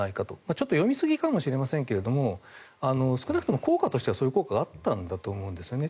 ちょっと読みすぎかもしれませんが少なくとも効果としてはそういう効果があったんだと思いますね。